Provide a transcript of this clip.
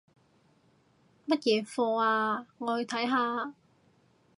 乜嘢課吖？我去睇下